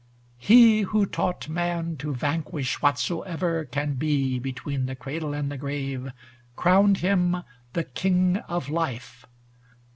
XVII He who taught man to vanquish whatsoever Can be between the cradle and the grave Crowned him the King of Life.